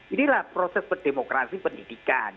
ini lah proses demokrasi pendidikan